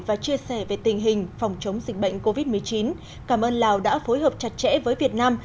và chia sẻ về tình hình phòng chống dịch bệnh covid một mươi chín cảm ơn lào đã phối hợp chặt chẽ với việt nam